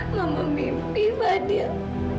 mama mimpi fadil